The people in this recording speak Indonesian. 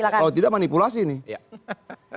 kalau tidak manipulasi nih